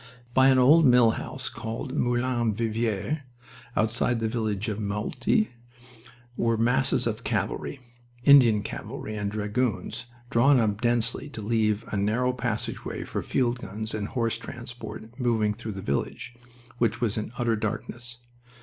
By an old mill house called the Moulin Vivier, outside the village of Meaulte, were masses of cavalry Indian cavalry and Dragoons drawn up densely to leave a narrow passageway for field guns and horse transport moving through the village, which was in utter darkness.